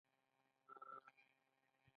ایا زه باید تهمت وکړم؟